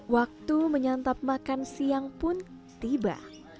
waktu menyantap makan siang pun tiba